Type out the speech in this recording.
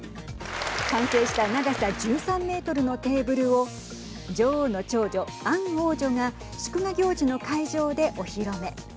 完成した長さ１３メートルのテーブルを女王の長女、アン王女が祝賀行事の会場でお披露目。